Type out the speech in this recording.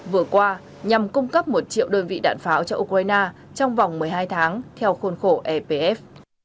vừa qua nhằm cung cấp một triệu đơn vị đạn pháo cho ukraine trong vòng một mươi hai tháng theo khuôn khổ epf